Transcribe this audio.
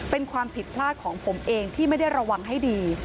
เป็นความผิดพลาดของผมเองที่ไม่ได้ระวังให้ดี